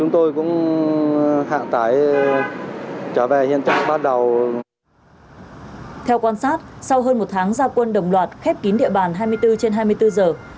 theo quan sát sau hơn một tháng gia quân đồng loạt khép kín địa bàn hai mươi bốn trên hai mươi bốn giờ